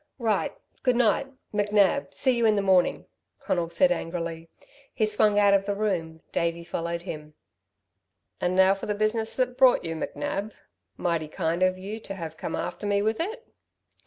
"Right. Good night, McNab, see you in the morning," Conal said angrily. He swung out of the room. Davey followed him. "And now for the business that brought you, McNab. Mighty kind of you to have come after me with it?"